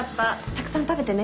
たくさん食べてね。